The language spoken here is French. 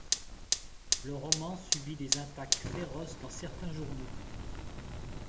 Le roman subit des attaques féroces dans certains journaux.